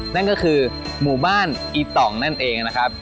นั่นก็คือหมู่บ้านอีต่องนั่นเองนะครับ